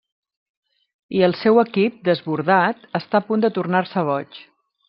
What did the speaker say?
I el seu equip, desbordat, està a punt de tornar-se boig.